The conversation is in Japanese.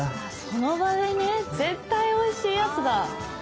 その場でね絶対おいしいやつだ。